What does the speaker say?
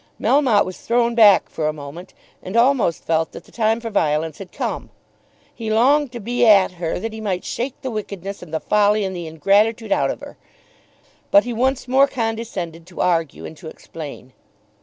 Melmotte was thrown back for a moment, and almost felt that the time for violence had come. He longed to be at her that he might shake the wickedness and the folly, and the ingratitude out of her. But he once more condescended to argue and to explain.